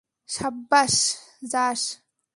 সাব্বাশ, জাস।